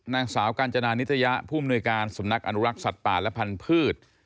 นางสาวกาญจนานิตยะผู้อำนวยการสำนักอนุรักษ์สัตว์ป่าและพันธุ์